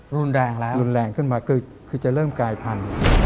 รุนแรงแล้วรุนแรงขึ้นมาคือจะเริ่มกลายพันธุ์